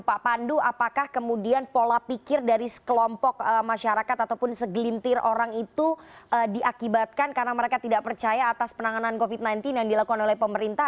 pak pandu apakah kemudian pola pikir dari sekelompok masyarakat ataupun segelintir orang itu diakibatkan karena mereka tidak percaya atas penanganan covid sembilan belas yang dilakukan oleh pemerintah